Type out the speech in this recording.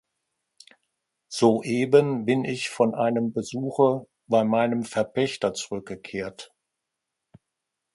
Soeben bin ich von einem Besuche bei meinem Verpächter zurückgekehrt.